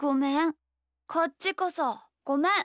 こっちこそごめん。